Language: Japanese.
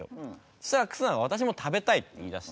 そしたら忽那が「私も食べたい」って言いだして。